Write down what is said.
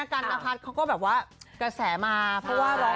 ไม่รู้จักยังไงเธอ